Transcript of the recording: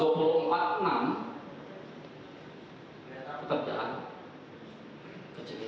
enam belas dua puluh empat puluh enam kita berjalan ke cd